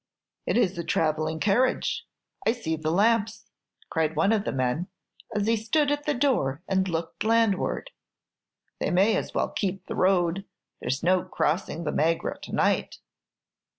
"It is a travelling carriage. I see the lamps," cried one of the men, as he stood at the door and looked landward. "They may as well keep the road; there's no crossing the Magra to night!"